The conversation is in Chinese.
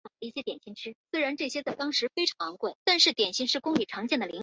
该学院提供双领域给学生。